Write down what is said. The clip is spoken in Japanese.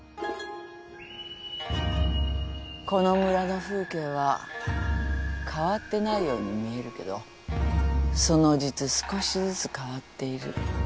この村の風景は変わってないように見えるけどその実少しずつ変わっている。